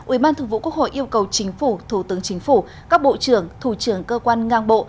ủy ban thường vụ quốc hội yêu cầu chính phủ thủ tướng chính phủ các bộ trưởng thủ trưởng cơ quan ngang bộ